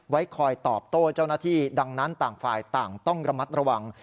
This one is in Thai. ไว้คอยตอบโต้เจ้าหน้าที่ดังนั้นต่างฝ่ายต่างต้องระมัดระวัง